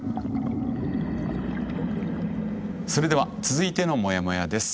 それでは続いてのモヤモヤです。